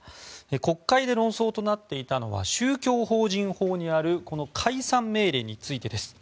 国会で論争となっていたのは宗教法人法にあるこの解散命令についてです。